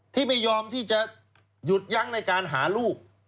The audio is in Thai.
ที่ไม่ยอมที่จะหยุดยั้งในการหาลูก